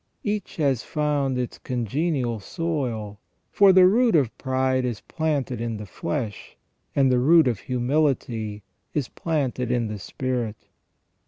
Each has found its congenial soil ; for the root of pride is planted in the flesh, and the root of humility is planted in the spirit.